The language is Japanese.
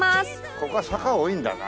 ここは坂が多いんだな。